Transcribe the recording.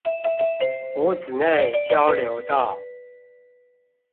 湖子內交流道